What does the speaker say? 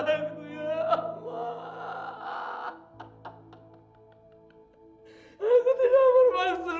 atas membulkan diri